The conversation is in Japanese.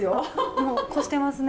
もう越してますね。